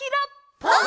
「ぽん」！